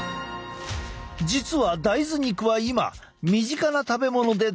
実は大豆肉は今身近な食べ物で大活躍。